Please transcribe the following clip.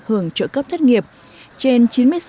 hưởng trợ cấp thất nghiệp trên